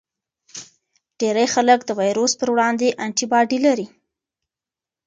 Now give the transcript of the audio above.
ډیری خلک د ویروس پر وړاندې انټي باډي لري.